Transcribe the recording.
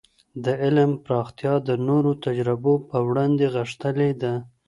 د علم پراختيا د نورو تجربو په وړاندې غښتلې ده.